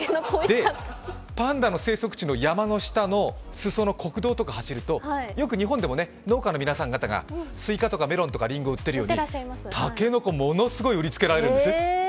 パンダの生息地の山の下の裾の国道とかを走るとよく日本でも農家の皆さん方がスイカとかリンゴとか売っているように、竹の子ものすごい売りつけられるんです。